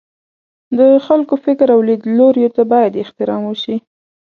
د خلکو فکر او لیدلوریو ته باید احترام وشي.